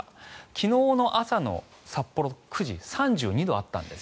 昨日の朝の札幌９時で３２度あったんです。